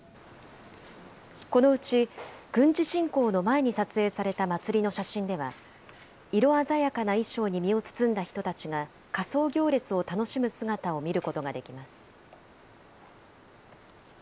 このうち、軍事侵攻の前に撮影された祭りの写真では、色鮮やかな衣装に身を包んだ人たちが、仮装行列を楽しむ姿を見ることができます。